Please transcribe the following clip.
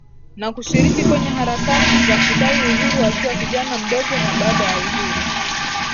na kushiriki kwenye harakati za kudai uhuru akiwa kijana mdogo na baada ya Uhuru